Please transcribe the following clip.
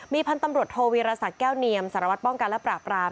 พันธุ์ตำรวจโทวีรศักดิ์แก้วเนียมสารวัตรป้องกันและปราบราม